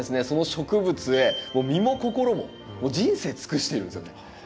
その植物へ身も心ももう人生尽くしてるんですよね